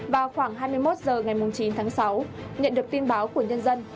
vào khoảng hai mươi một h ngày chín tháng sáu nhận được tin báo của nhân dân